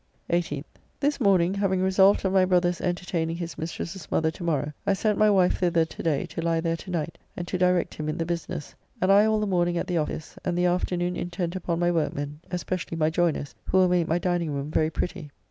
18th. This morning, having resolved of my brother's entertaining his mistress's mother to morrow, I sent my wife thither to day to lie there to night and to direct him in the business, and I all the morning at the office, and the afternoon intent upon my workmen, especially my joyners, who will make my dining room very pretty.